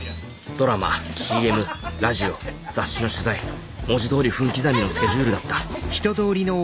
ドラマＣＭラジオ雑誌の取材文字どおり分刻みのスケジュールだったあと５分しかないぞ。